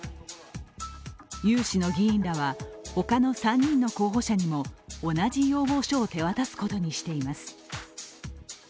有志の議員らは他の３人の候補者にも同じ要望書を手渡すことにしています。